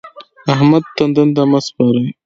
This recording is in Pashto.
احمد ته دنده مه سپارئ.